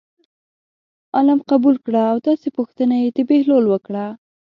عالم قبول کړه او داسې پوښتنه یې د بهلول نه وکړه.